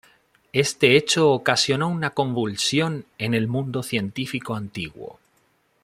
Este hecho ocasionó una convulsión en el mundo científico antiguo.